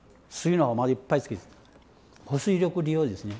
保水力利用ですね。